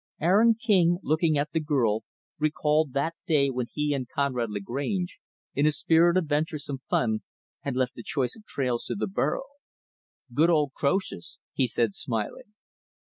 Aaron King, looking at the girl, recalled that day when he and Conrad Lagrange, in a spirit of venturesome fun, had left the choice of trails to the burro. "Good, old Croesus!" he said smiling.